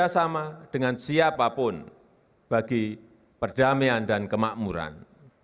kerjasama dengan siapapun bagi perdamaian dan kemakmuran